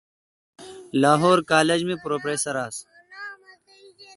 لاہور کالج می پروفیسر آس۔